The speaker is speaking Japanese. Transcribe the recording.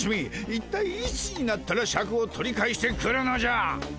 一体いつになったらシャクを取り返してくるのじゃ。